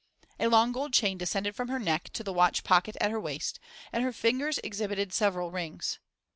A long gold chain descended from her neck to the watch pocket at her waist, and her fingers exhibited several rings.